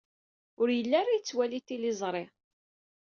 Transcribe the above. Ur yelli ara yettwali tiliẓri.